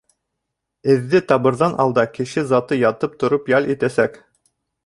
— Эҙҙе табырҙан алда кеше заты ятып тороп ял итәсәк.